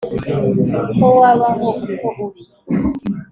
ko wabaho uko uri